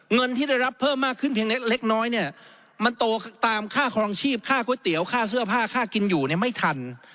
เงินที่ได้รับเพิ่มมากขึ้นเพียงเล็กน้อยเนี่ยมันโตตามค่าครองชีพค่าก๋วยเตี๋ยวค่าเสื้อผ้าค่ากินอยู่เนี่ยไม่ทัน